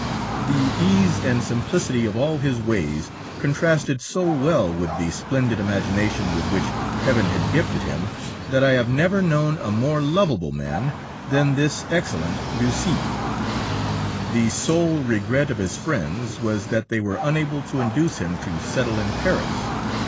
The ease and simplicity of all his ways contrasted so well with the splendid imagination with which Heaven had gifted him that I have never known a more lovable man than this excellent Ducis. The sole regret of his friends was that they were unable to induce him to settle in Paris.